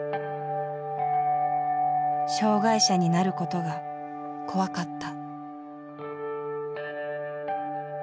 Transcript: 障がい者になることが怖かった。